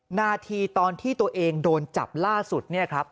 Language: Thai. นาทีตอนที่ตัวเองโดนจับล่าสุดเนี่ยครับ